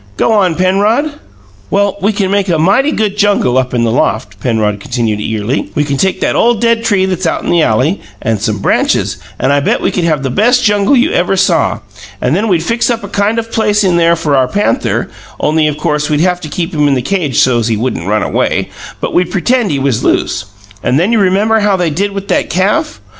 "Go on, Penrod." "Well, we can make a mighty good jungle up in the loft," Penrod continued eagerly. "We can take that ole dead tree that's out in the alley and some branches, and I bet we could have the best jungle you ever saw. And then we'd fix up a kind of place in there for our panther, only, of course, we'd haf to keep him in the cage so's he wouldn't run away; but we'd pretend he was loose. And then you remember how they did with that calf?